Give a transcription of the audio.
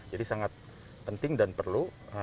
jadi sangat penting dan perlu